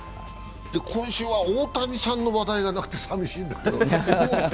今週は大谷さんの話題がなくて寂しいんだけど。